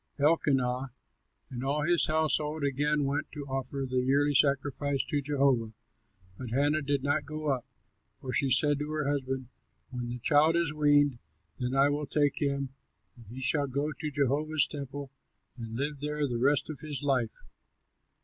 Elkanah and all his household again went to offer the yearly sacrifice to Jehovah, but Hannah did not go up, for she said to her husband, "When the child is weaned, then I will take him, and he shall go to Jehovah's temple and live there the rest of his life."